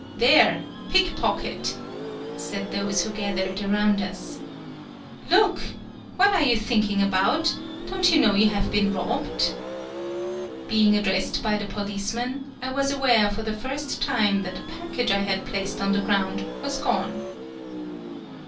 "There! pickpocket!" said those who gathered around us. "Look! What are you thinking about? Don't you know you have been robbed?" Being addressed by the policeman, I 162 TSUGARU STRAIT was aware for the first time tHat the package I had placed on the ground was gone.